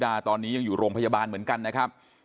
นางสาวที่ด่าตอนนี้ยังอยู่โรงพยาบาลเหมือนกันนะครับ